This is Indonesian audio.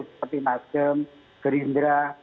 seperti masgem gerindra